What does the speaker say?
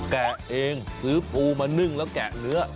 แกะเองซื้อปูมานึ่งแล้วแกะเนื้อ